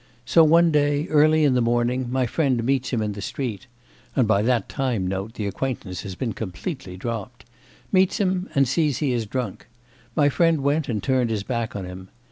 So one day early in the morning, my friend meets him in the street (and by that time, note, the acquaintance has been completely dropped) meets him and sees he is drunk. My friend went and turned his back on him.